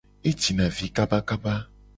E jina vi kabakaba.